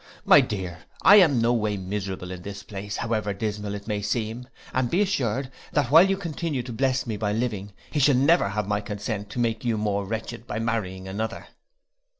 My dear, I am no way miserable in this place, however dismal it may seem, and be assured that while you continue to bless me by living, he shall never have my consent to make you more wretched by marrying another.